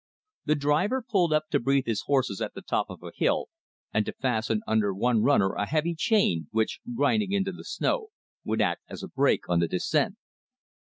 The driver pulled up to breathe his horses at the top of a hill, and to fasten under one runner a heavy chain, which, grinding into the snow, would act as a brake on the descent.